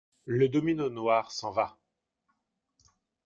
Le domino noir s'en va.